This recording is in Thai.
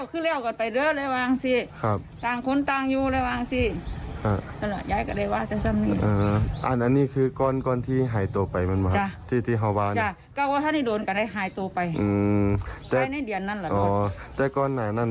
เขาเป็นกันแล้วยังไงว่าเขามีเมียมาใช่ไหม